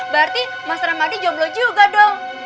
berarti mas ramadhani jomblo juga dong